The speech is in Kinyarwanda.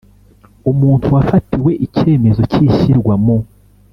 Umuntu wafatiwe icyemezo cy ishyirwa mu